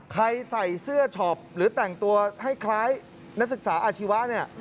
ใส่เสื้อช็อปหรือแต่งตัวให้คล้ายนักศึกษาอาชีวะเนี่ย